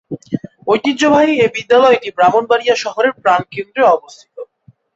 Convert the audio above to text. ঐতিহ্যবাহী এ বিদ্যালয়টি ব্রাহ্মণবাড়িয়া শহরের প্রাণকেন্দ্রে অবস্থিত।